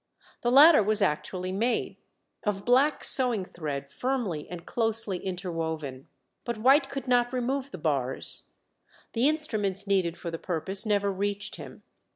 The ladder was actually made, of black sewing thread firmly and closely interwoven. But White could not remove the bars; the instruments needed for the purpose never reached him.